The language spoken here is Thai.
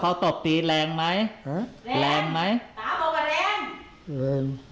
เขาตบตีแรงไหมแรงตาบอกว่าแรง